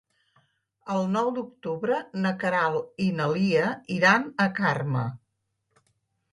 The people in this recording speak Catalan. El nou d'octubre na Queralt i na Lia iran a Carme.